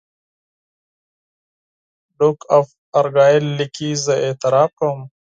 ډوک آف ارګایل لیکي زه اعتراف کوم.